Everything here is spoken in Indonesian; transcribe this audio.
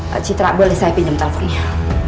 pak citra boleh saya pinjam teleponnya